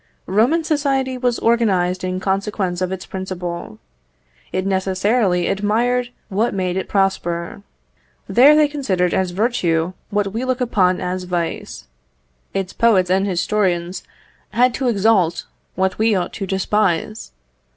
Roman society was organised in consequence of its principle. It necessarily admired what made it prosper. There they considered as virtue, what we look upon as vice. Its poets and historians had to exalt what we ought to despise.